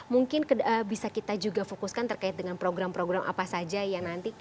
mungkin bisa kita juga fokuskan terkait dengan program program apa saja yang nanti